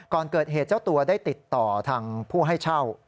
ก่อนเกิดเหตุเจ้าตัวได้ติดต่อทางผู้ให้เช่า